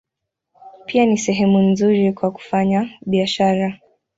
Pia ni sehemu nzuri kwa kufanya biashara.